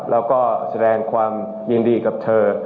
แล้วก็แสดงความยินดีกับเธอ